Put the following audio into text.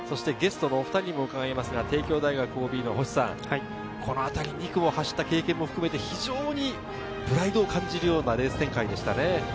帝京大学ＯＢの星さん、このあたり２区を走った経験も含めて、非常にプライドを感じるようなレース展開でしたね。